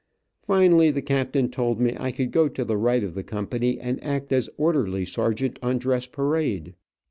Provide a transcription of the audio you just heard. Finally the captain told me I could go to the right of the company and act as orderly sergeant on dress parade.